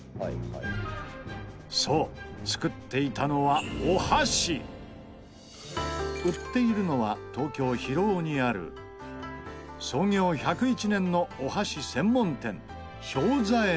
そう作っていたのは売っているのは東京広尾にある創業１０１年のお箸専門店兵左衛門。